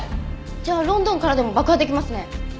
じゃあロンドンからでも爆破できますね。